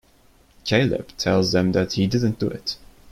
Caleb tells them that he didn't do it.